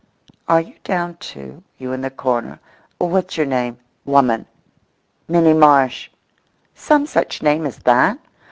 Are you down too, you in the corner, what's your name—woman—Minnie Marsh; some such name as that?